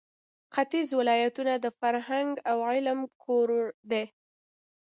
ختیځ ولایتونه د فرهنګ او علم کور دی.